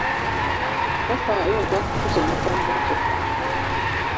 Tofaayo nja kukusomesa mmotoka.